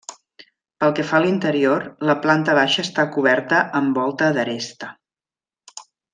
Pel que fa a l'interior, la planta baixa està coberta amb volta d'aresta.